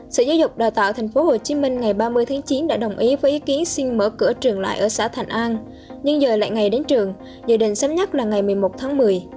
sở giáo dục đào tạo tp hcm ngày ba mươi tháng chín đã đồng ý với ý kiến xin mở cửa trở lại ở xã thành an nhưng giờ lại ngày đến trường dự định sớm nhất là ngày một mươi một tháng một mươi